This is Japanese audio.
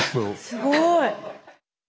すごい。